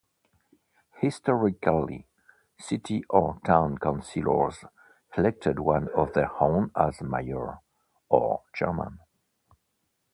Historically, city or town councillors elected one of their own as mayor, or chairman.